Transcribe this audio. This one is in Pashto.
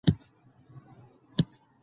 ایا ګېڼي هم د غنیمت برخه دي؟